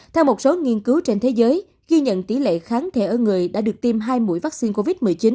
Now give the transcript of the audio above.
theo một số nghiên cứu trên thế giới ghi nhận tỷ lệ kháng thể ở người đã được tiêm hai mũi vaccine covid một mươi chín